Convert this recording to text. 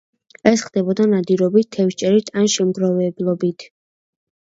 ეს ხდებოდა ნადირობით, თევზჭერით ან შემგროვებლობით.